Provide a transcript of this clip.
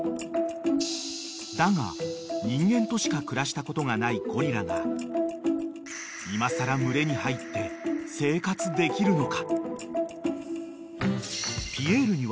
［だが人間としか暮らしたことがないゴリラがいまさら群れに入って生活できるのか？］